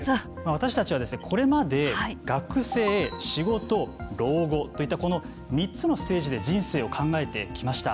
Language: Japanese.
私たちは、これまで学生、仕事、老後といったこの３つのステージで人生を考えてきました。